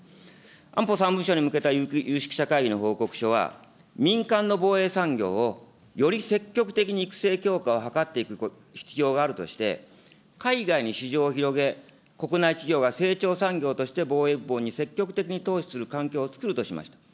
安保三文書に向けた有識者会議の報告書は、民間の防衛産業をより積極的に育成強化を図っていく必要があるとして、海外に市場を広げ、国内企業が成長産業としてに積極的に投資する環境をつくるとしました。